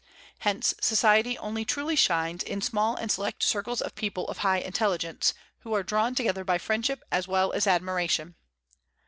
Hence society only truly shines in small and select circles of people of high intelligence, who are drawn together by friendship as well as admiration."